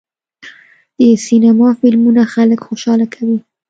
د سینما فلمونه خلک خوشحاله کوي.